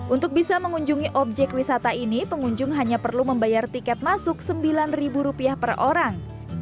untuk bisa mengunjungi objek wisata ini pengunjung hanya perlu membayar tiket masuk rp sembilan per orang